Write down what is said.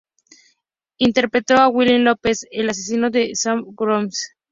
Interpretó a Willie Lopez, el asesino de Sam, en "Ghost".